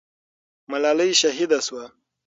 ملالۍ شهیده سوه.